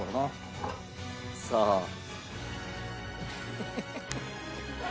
ハハハハッ。